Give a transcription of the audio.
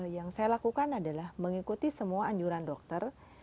yang saya lakukan adalah mengikuti semua anjuran dokter